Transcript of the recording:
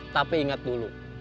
tapi ingat dulu